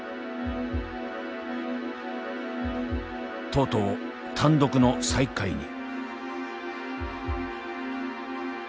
とうとう単独の最下位に。